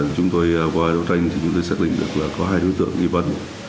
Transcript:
chúng tôi qua đấu tranh xác định được có hai đối tượng nghi văn